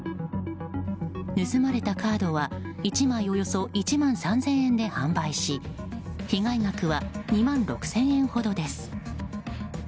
盗まれたカードは１枚およそ１万３０００円で販売し被害額は２万６０００円ほどです。